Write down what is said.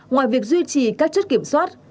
ngoài việc duy trì các chất kiểm soát